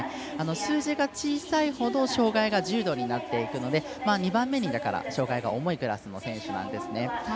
数字が小さいほど障がいが重度になっていくので２番目に障がいが重いクラスの選手なんですね。